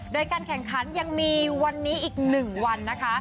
โดยการแข่งขันยังมีวันนี้อีก๑วันนะคะ